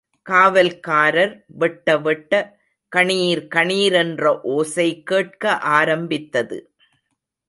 காவல்காரர் வெட்ட வெட்ட கணீர் கணீர் என்ற ஓசை கேட்க ஆரம்பித்தது.